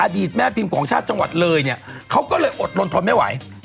แม่พิมพ์ของชาติจังหวัดเลยเนี่ยเขาก็เลยอดลนทนไม่ไหว